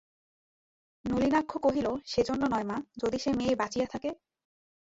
নলিনাক্ষ কহিল, সেজন্য নয় মা, যদি সে মেয়ে বাঁচিয়া থাকে?